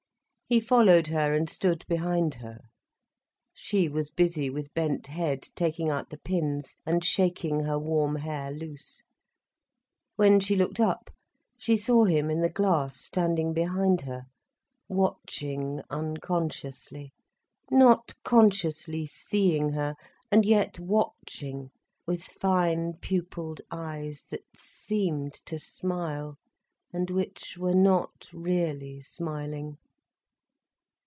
He followed her, and stood behind her. She was busy with bent head, taking out the pins and shaking her warm hair loose. When she looked up, she saw him in the glass standing behind her, watching unconsciously, not consciously seeing her, and yet watching, with finepupilled eyes that seemed to smile, and which were not really smiling.